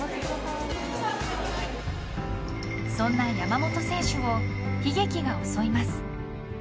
そんな山本選手を悲劇が襲います。